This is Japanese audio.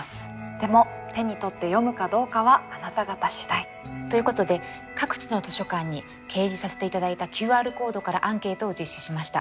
でも手に取って読むかどうかはあなた方次第。ということで各地の図書館に掲示させて頂いたＱＲコードからアンケートを実施しました。